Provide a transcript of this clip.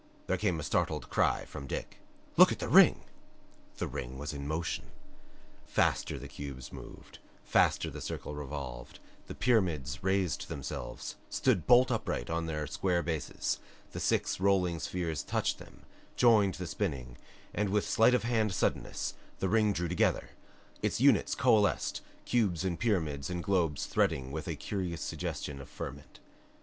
There came a startled cry from Dick. "Look at the ring!" The ring was in motion! Faster the cubes moved; faster the circle revolved; the pyramids raised themselves, stood bolt upright on their square bases; the six rolling spheres touched them, joined the spinning, and with sleight of hand suddenness the ring drew together; its units coalesced, cubes and pyramids and globes threading with a curious suggestion of ferment.